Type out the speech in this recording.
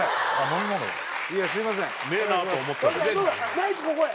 ナイツここへ。